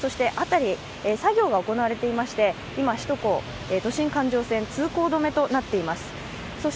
辺り、作業が行われていまして今、首都高速都心環状線は通行止めとなっています。